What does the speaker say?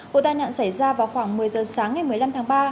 vụ tai nạn xảy ra vào khoảng một mươi giờ sáng ngày một mươi năm tháng ba